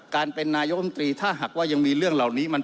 การเป็นนายกรรมตรีถ้าหากว่ายังมีเรื่องเหล่านี้